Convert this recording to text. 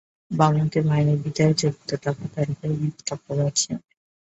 বামুনকে মাইনে দিতে হয় চৌদ্দ টাকা, তার উপরে ভাত-কাপড় আছে।